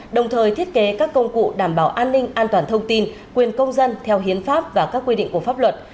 đồng thời thiết kế các công cụ đảm bảo an ninh an toàn thông tin quyền công dân theo hiến pháp và các quy định của pháp luật